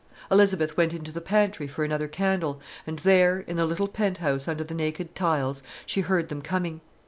Elizabeth went into the pantry for another candle, and there, in the little penthouse under the naked tiles, she heard them coming.